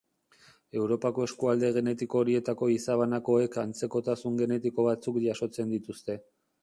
Europako eskualde genetiko horietako gizabanakoek antzekotasun genetiko batzuk jasotzen dituzte.